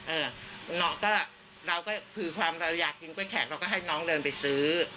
เออน้องก็เราก็คือความเราอยากกินกล้วแขกเราก็ให้น้องเดินไปซื้อ